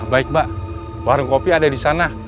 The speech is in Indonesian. baik mbak warung kopi ada di sana